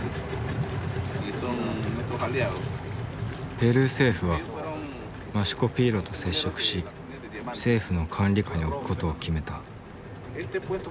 ペルー政府はマシュコピーロと接触し政府の管理下に置く事を決めた。